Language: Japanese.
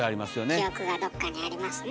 記憶がどっかにありますね。